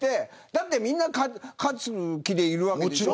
だって、みんな勝つ気でいるわけでしょ。